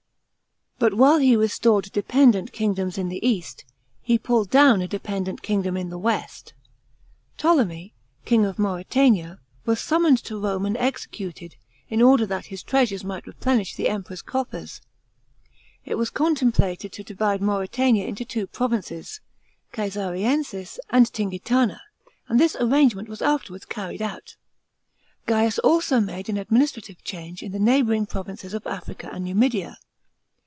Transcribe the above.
But while he restored dependent kingdoms in the east, he pulled down a de| e dent kingdom in the west. Ptolemy, king ol Manretan a, was summoned to Rome and executed, in order that his treasures might replenish the Emperor's coffers. It was con * See above, Chap. VII. 0 T. 228 THE PRINCIPATE OF GAIUS. CHAP, xiv templated to divide Mauretania into two provinces, Ccesariensis and Tingitana ; and this arrangement was afterwards carried out. Grains also made an administrative change in the neighbouring provinces of Africa and Numidia.